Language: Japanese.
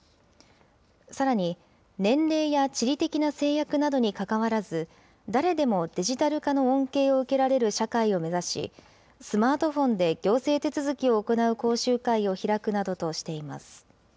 さらに、年齢や地理的な制約などにかかわらず、誰でもデジタル化の恩恵を受けられる社会を目指し、スマートフォンで行政手続きを行う講習会を開くなどとしています。